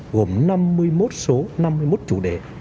gồm năm mươi một số năm mươi một chủ đề